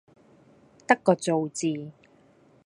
得個做字